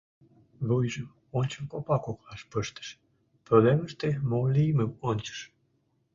Вуйжым ончыл копа коклаш пыштыш, пӧлемыште мо лиймым ончыш.